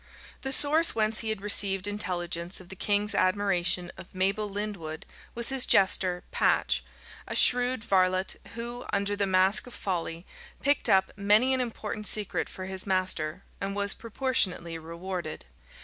The source whence he had received intelligence of the king's admiration of Mabel Lyndwood was his jester, Patch a shrewd varlet who, under the mask of folly, picked up many an important secret for his master, and was proportionately rewarded.